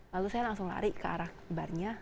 lalu saya langsung lari ke arah barnya